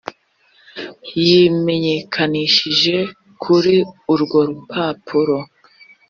yimenyekanishije kuri urwo rupapuro